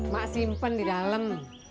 mak simpen di dalem